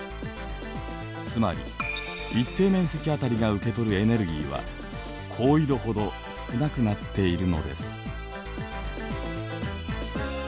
つまり一定面積あたりが受け取るエネルギーは高緯度ほど少なくなっているのです。